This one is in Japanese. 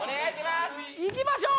すいきましょう！